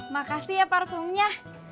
mak makasih ya parfumnya